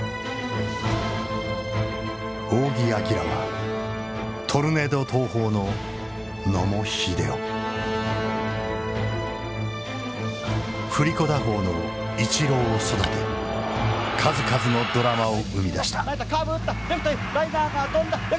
仰木彬はトルネード投法の野茂英雄振り子打法のイチローを育て数々のドラマを生み出した。